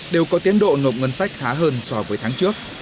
đều có tiến độ nộp ngân sách thá hơn so với tháng trước